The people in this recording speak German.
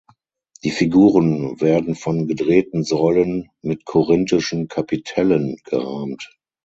Die Figuren werden von gedrehten Säulen mit korinthischen Kapitellen gerahmt.